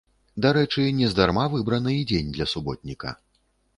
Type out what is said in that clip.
Дарэчы, нездарма выбраны і дзень для суботніка.